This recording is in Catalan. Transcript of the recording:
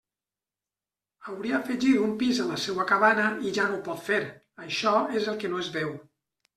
Hauria afegit un pis a la seua cabana i ja no ho pot fer, això és el que no es veu.